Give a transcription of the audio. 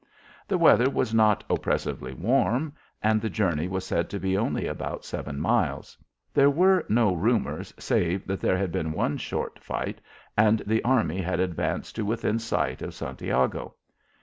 The weather was not oppressively warm, and the journey was said to be only about seven miles. There were no rumours save that there had been one short fight and the army had advanced to within sight of Santiago.